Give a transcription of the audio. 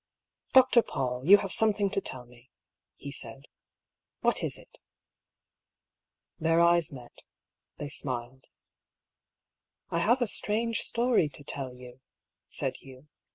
^^ Dr. Paull, you have something to tell me," he said. " What is it ?" Their eyes met, they smiled. ''I have a strange story to tell you," said Hugh.